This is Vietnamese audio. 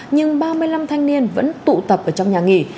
nhưng ba mươi năm thanh niên vẫn tụ tập ở trong nhà nghỉ